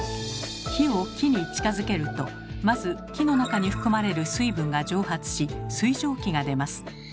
火を木に近づけるとまず木の中に含まれる水分が蒸発し水蒸気が出ます。